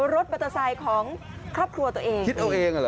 โรดเจ้าเจ้าเจ้าเจ้าเจ้าเจ้าเจ้าเจ้าเจ้าเจ้าเจ้าเจ้าเจ้า